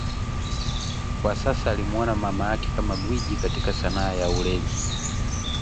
Kwa sasa alimuona mamake kama gwiji katika sanaa ya ulezi